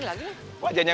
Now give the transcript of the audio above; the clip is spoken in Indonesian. nadine jalan ya